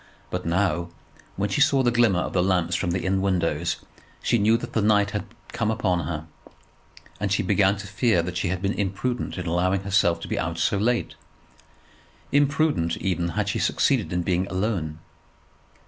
But now, when she saw the glimmer of the lamps from the inn windows, she knew that the night had come upon her, and she began to fear that she had been imprudent in allowing herself to be out so late, imprudent, even had she succeeded in being alone.